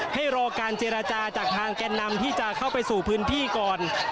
ให้รอการเจรจาจากทางแก่นนำที่จะเข้าไปสู่พื้นที่ก่อน